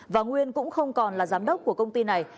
và nguyên cũng không còn là giám đốc của công ty này